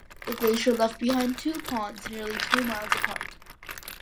The glacier left behind two ponds, nearly two miles apart.